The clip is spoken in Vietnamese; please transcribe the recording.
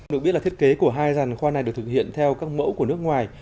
được biết là thiết kế của hai dàn khoan này được thực hiện theo các mẫu của nước ngoài